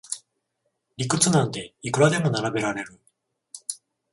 理屈なんていくらでも並べられる